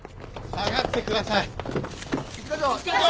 下がってください！